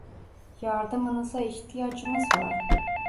Yardımınıza ihtiyacımız var.